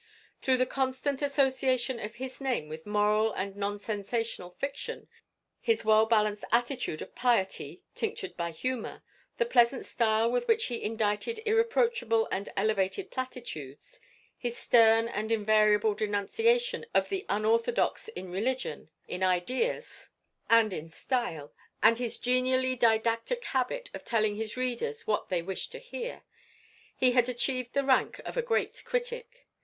Through the constant association of his name with moral and non sensational fiction, his well balanced attitude of piety tinctured by humor, the pleasant style with which he indited irreproachable and elevated platitudes, his stern and invariable denunciation of the unorthodox in religion, in ideas, and in style, and his genially didactic habit of telling his readers what they wished to hear, he had achieved the rank of a great critic.